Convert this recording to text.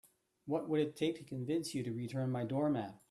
What would it take to convince you to return my doormat?